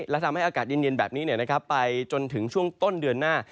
และทำให้อากาศเย็นแบบนี้ไปจนถึงช่วงต้นเดือนหน้า